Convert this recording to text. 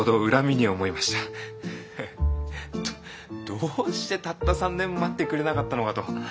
どどうしてたった３年待ってくれなかったのかと。